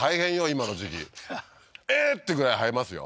今の時期えっ！？ってぐらい生えますよ